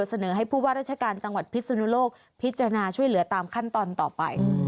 เสนอให้ผู้ว่าราชการจังหวัดพิศนุโลกพิจารณาช่วยเหลือตามขั้นตอนต่อไป